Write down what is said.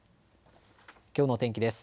きょうの天気です。